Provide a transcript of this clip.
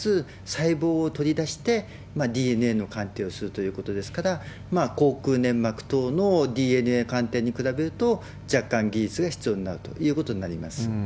細胞を取り出してＤＮＡの鑑定をするということですから、口腔粘膜等のＤＮＡ鑑定に比べると、若干技術が必要になるということになります。